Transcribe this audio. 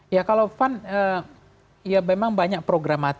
ya kalau pan memang banyak program